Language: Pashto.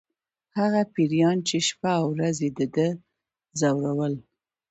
هغه پیریان چې شپه او ورځ یې د ده ځورول